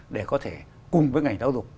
để có thể cùng với ngành tháo dục